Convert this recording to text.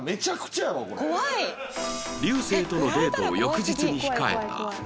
流星とのデートを翌日に控えた土曜日